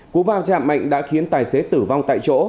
cú va chạm mạnh đã khiến tài xế tử vong tại chỗ